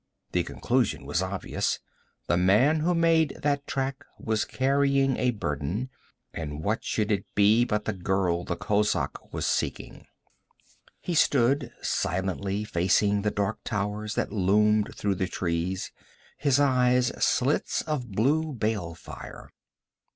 The conclusion was obvious; the man who made that track was carrying a burden, and what should it be but the girl the kozak was seeking? He stood silently facing the dark towers that loomed through the trees, his eyes slits of blue bale fire.